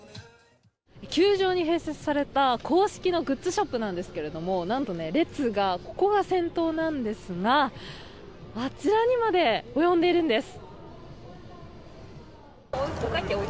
球場に併設された公式のグッズショップなんですがなんと、列がここが先頭なんですがあちらにまで及んでいるんです。